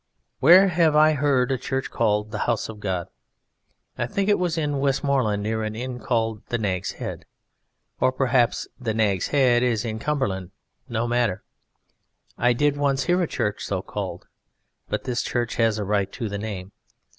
Where have I heard a church called "the House of God"? I think it was in Westmorland near an inn called "The Nag's Head" or perhaps "The Nag's Head" is in Cumberland no matter, I did once hear a church so called. But this church has a right to the name.